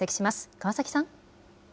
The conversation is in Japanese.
川崎さん。